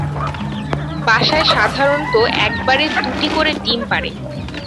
বাসায় সাধারণত একবারে দু'টি করে ডিম পাড়ে।